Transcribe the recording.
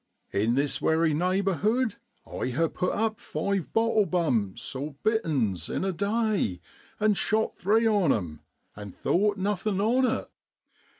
In this wery neighbour hood I ha' put up five ' bottle bumps ' (bitterns) in a day, an' shot three on 'em, an' thowt nothin' on it.